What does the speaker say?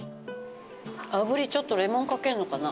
炙りちょっとレモンかけるのかな？